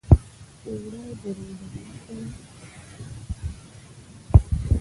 اوړه د روژې ماته ده